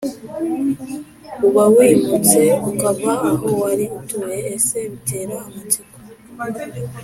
uba wimutse ukava aho wari utuye Ese bitera amatsiko